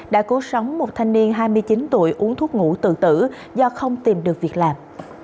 đã cứu sống một thanh niên hai mươi chín tuổi uống thuốc ngủ tự tử do không tìm được việc làm